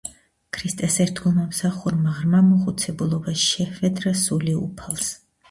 ქრისტეს ერთგულმა მსახურმა ღრმა მოხუცებულობაში შეჰვედრა სული უფალს.